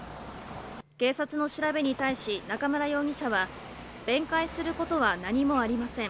警察の調べに対し、中村容疑者は弁解することは何もありません。